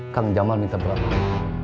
kang jamal minta berapa